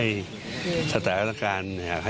อีกสักครู่เดี๋ยวจะ